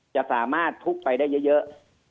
จะสามารถทุบไปได้เยอะ